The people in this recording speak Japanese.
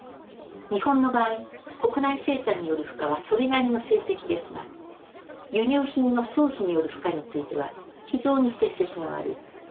日本の場合国内生産による負荷はそれなりの成績ですが輸入品の消費による負荷については非常に成績が悪い。